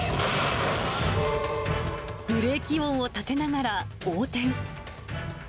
ブレーキ音を立てながら横転。